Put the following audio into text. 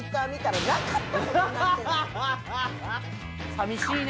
さみしいね。